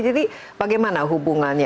jadi bagaimana hubungannya